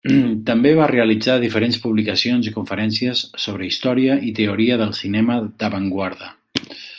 També va realitzar diferents publicacions i conferències sobre història i teoria del cinema d'avantguarda.